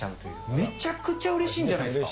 めちゃくちゃうれしいんじゃないですか。